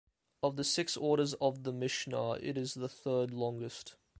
Of the six Orders of the Mishnah, it is the third longest.